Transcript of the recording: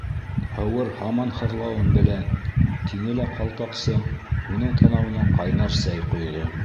—Һыуыр һаман хырлауын белә, —тине лә Ҡалпаҡсы уның танауына ҡайнар сәй ҡойҙо.